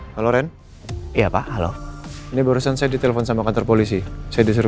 holoren iya pak halo ini barusan saya ditelepon sama kantor polisi saya disuruh